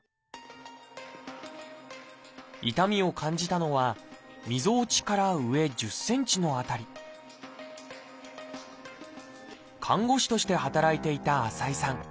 痛みを感じたのはみぞおちから上１０ｃｍの辺り看護師として働いていた浅居さん。